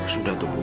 sudah tuh sudah